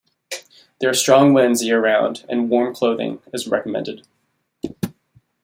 There are strong winds year-round and warm clothing is recommended.